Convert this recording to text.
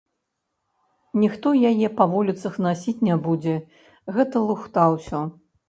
Ніхто яе па вуліцах насіць не будзе, гэта лухта ўсё.